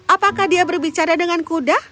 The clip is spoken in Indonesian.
apakah dia berbicara dengan kuda